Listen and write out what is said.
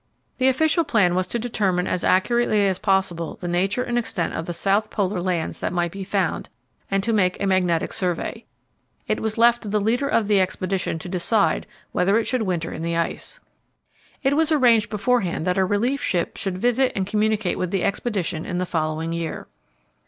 The official plan was to determine as accurately as possible the nature and extent of the South Polar lands that might be found, and to make a magnetic survey. It was left to the leader of the expedition to decide whether it should winter in the ice. It was arranged beforehand that a relief ship should visit and communicate with the expedition in the following year.